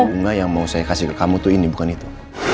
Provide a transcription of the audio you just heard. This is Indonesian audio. oh enggak yang mau saya kasih ke kamu tuh ini bukan itu